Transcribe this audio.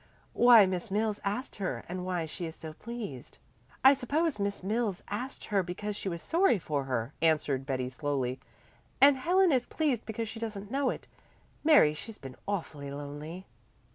"Why Miss Mills asked her, and why she is so pleased." "I suppose Miss Mills asked her because she was sorry for her," answered Betty slowly, "and Helen is pleased because she doesn't know it. Mary, she's been awfully lonely."